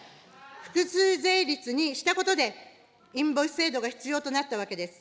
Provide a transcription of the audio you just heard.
複数税率にしたことで、インボイス制度が必要となったわけです。